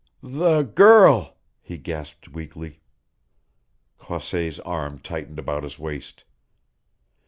"The girl " he gasped weakly. Croisset's arm tightened about his waist.